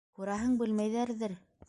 Күрәһең, белмәйҙәрҙер.